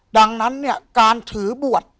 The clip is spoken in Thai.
ดังนั้นเนี่ยการถือบวช